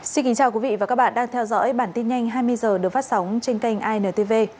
xin kính chào quý vị và các bạn đang theo dõi bản tin nhanh hai mươi h được phát sóng trên kênh intv